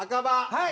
はい。